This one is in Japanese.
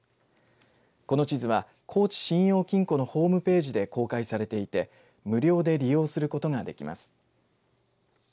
この地図は高知信用金庫のホームページで公開されていて無料で利用することができます。